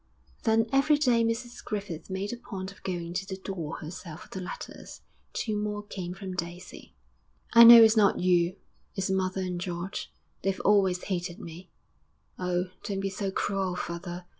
Then every day Mrs Griffith made a point of going to the door herself for the letters. Two more came from Daisy. _'I know it's not you; it's mother and George. They've always hated me. Oh, don't be so cruel, father!